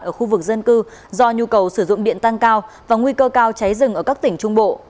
ở khu vực dân cư do nhu cầu sử dụng điện tăng cao và nguy cơ cao cháy rừng ở các tỉnh trung bộ